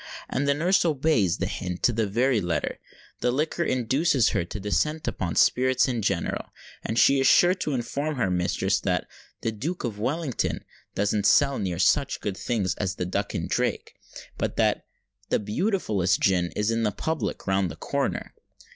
And the nurse obeys the hint to the very letter. The liquor induces her to descant upon spirits in general; and she is sure to inform her mistress that the Duke of Wellington doesn't sell near such good things as the Duck and Drake; but that "the beautifullest gin is at the public round the corner."